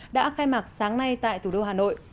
đã khai mạc sáng nay tại thủ đô hà nội